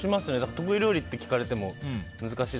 得意料理って聞かれても難しい。